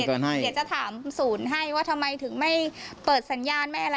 เดี๋ยวจะถามศูนย์ให้ว่าทำไมถึงไม่เปิดสัญญาณไม่อะไร